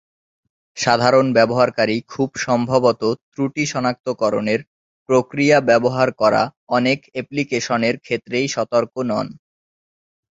সাধারণ ব্যবহারকারী খুব সম্ভবত ত্রুটি সনাক্তকরণের প্রক্রিয়া ব্যবহার করা অনেক অ্যাপ্লিকেশনের ক্ষেত্রেই সতর্ক নন।